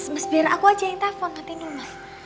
mas biar aku aja yang telfon matiin dulu mas